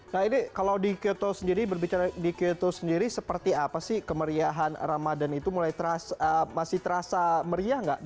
nah ini kalau di kyoto sendiri berbicara di kyoto sendiri seperti apa sih kemeriahan ramadan itu masih terasa meriah nggak